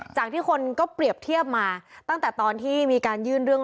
จากที่คนก็เปรียบเทียบมาตั้งแต่ตอนที่มีการยื่นเรื่อง